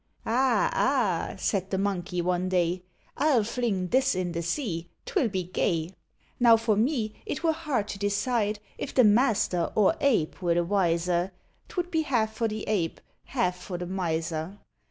"Ah! ah!" said the Monkey, one day; "I'll fling this in the sea; 'twill be gay." Now for me it were hard to decide If the Master or Ape were the wiser, 'Twould be half for the Ape, half for Miser.